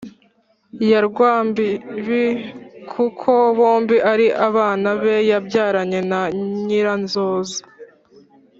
ya rwambibi kuko bombi ari abana be yabyaranye na nyiranzoza.